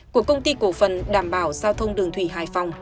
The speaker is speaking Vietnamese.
của công ty cổ phần đảm bảo giao thông đường thủy hải phòng